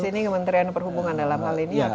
di sini kementerian perhubungan dalam hal ini atau lebih